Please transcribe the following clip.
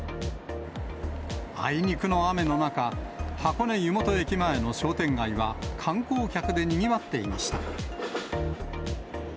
あいにくの雨の中、箱根湯本駅前の商店街は、観光客でにぎわっていました。